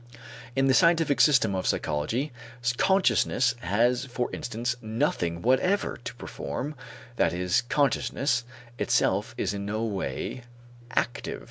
In the scientific system of psychology, consciousness has for instance nothing whatever to perform, that is, consciousness itself is in no way active.